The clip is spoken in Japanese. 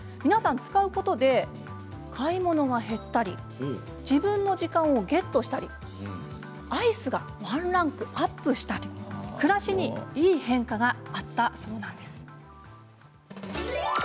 皆さん、使うことで買い物が減ったり自分の時間をゲットしたりアイスがワンランクアップしたり暮らしにいい変化があったそうなんです。